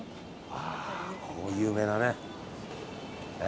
ああ、ここ、有名なね。